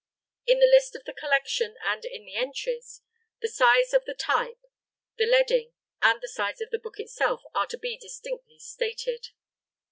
In the list of the collection and in the entries, the size of the type, the leading, and the size of the book itself are to be distinctly stated.